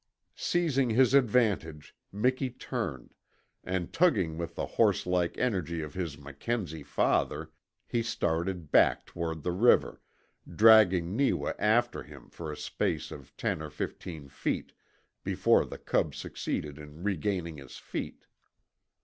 Seizing his advantage Miki turned, and tugging with the horse like energy of his Mackenzie father he started back toward the river, dragging Neewa after him for a space of ten or fifteen feet before the cub succeeded in regaining his feet.